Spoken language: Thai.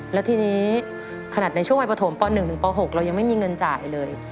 แล้วทีนี้ขนาดในช่วงวัยปฐมป๑ถึงป๖เรายังไม่มีเงินจ่ายเลย